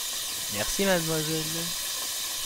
Merci mademoiselle.